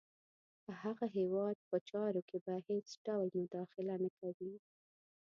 په هغه هیواد په چارو کې به هېڅ ډول مداخله نه کوي.